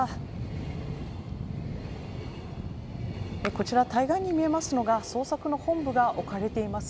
こちら、対岸に見えますのが捜索の本部が置かれています